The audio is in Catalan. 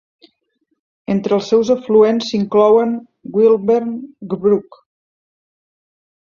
Entre els seus afluents s'inclouen Gilwern Brook.